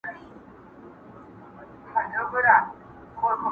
o له جنايت وروسته د کورنۍ ترمنځ نوې رواني فضا ورو ورو رامنځته کيږي,